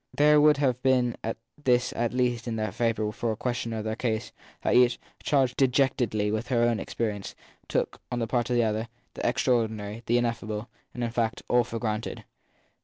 There would have been this at least in their favour for a questioner of their case, that each, charged dejectedly with her own experience, took, on the part of the other, the extraordinary the ineffable, in fact all for granted.